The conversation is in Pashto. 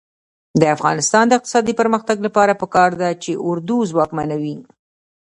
د افغانستان د اقتصادي پرمختګ لپاره پکار ده چې اردو ځواکمنه وي.